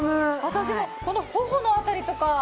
私もこの頬の辺りとか。